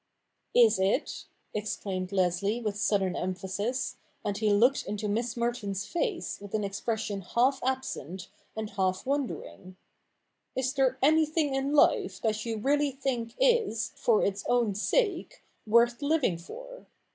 'Is it ?' exclaimed Leslie with sudden emphasis, and he looked into Miss Merton's face with an expression half absent and half wondering. ' Is there anything in life that you really think is, for its own sake, worth living for?